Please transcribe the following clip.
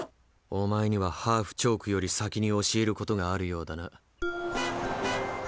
お前にはハーフ・チョークより先に教えることがあるようだな。